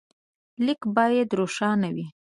لیک باید روښانه وي.